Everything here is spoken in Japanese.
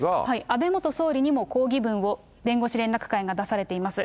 安倍元総理にも抗議文を弁護士連絡会が出されています。